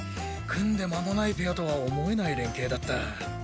組んで間もないペアとは思えない連携だった。